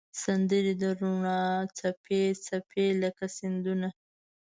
سندرې د روڼا څپې، څپې لکه سیندونه